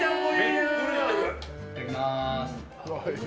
いただきます。